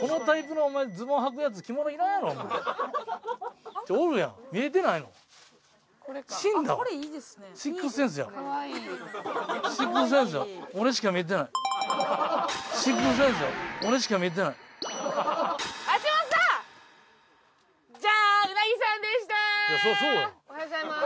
おはようございます。